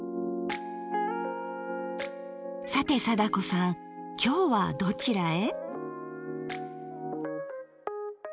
さて貞子さんきょうはどちらへ？